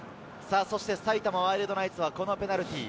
埼玉ワイルドナイツはこのペナルティー。